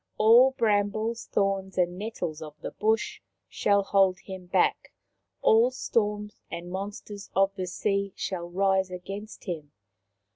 All brambles, thorns and nettles of the bush shall hold him back ; all storms and monsters of the sea shall rise against him.